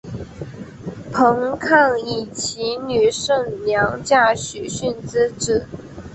彭抗以其女胜娘嫁许逊之子。